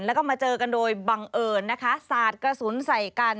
แล้วก็มาเจอกันโดยบังเอิญนะคะสาดกระสุนใส่กัน